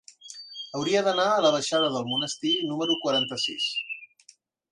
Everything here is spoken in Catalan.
Hauria d'anar a la baixada del Monestir número quaranta-sis.